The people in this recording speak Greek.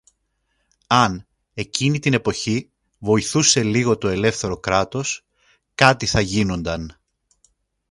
Αν εκείνη την εποχή βοηθούσε λίγο το ελεύθερο Κράτος, κάτι θα γίνουνταν